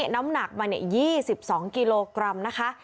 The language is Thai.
น้ำหนักมา๒๒กิโลกรัมนะคะ